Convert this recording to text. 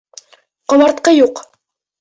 Ҡомартҡы юҡ!